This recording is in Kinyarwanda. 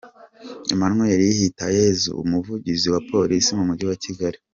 Emmanuel Hitayezu, Umuvugizi wa Polisi mu Mujyi wa Kigali.